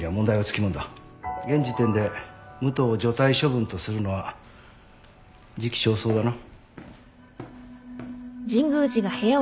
現時点で武藤を除隊処分とするのは時期尚早だな。